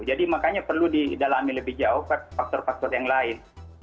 makanya perlu didalami lebih jauh faktor faktor yang lain